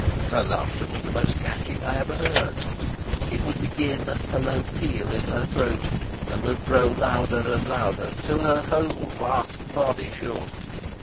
Her laughter was the most catching I ever heard; it would begin, a low peal in her throat, and would grow louder and louder till her whole vast body shook.